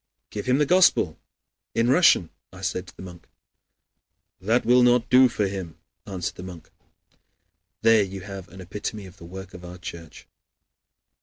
"Give him the Gospel in Russian," I said to the monk. "That will not do for him," answered the monk. There you have an epitome of the work of our Church.